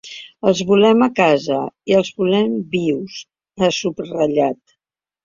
Els volem a casa i els volem vius, ha subratllat.